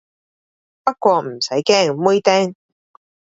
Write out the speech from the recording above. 不過唔使驚，妹釘